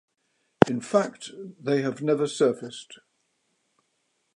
In fact they have never surfaced.